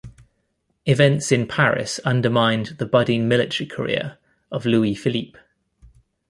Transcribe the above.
Events in Paris undermined the budding military career of Louis Philippe.